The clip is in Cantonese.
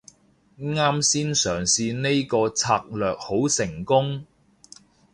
啱先嘗試呢個策略好成功